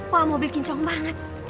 wah mobil kincong banget